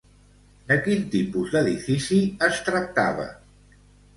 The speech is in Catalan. De quin tipus d'edifici es tractava?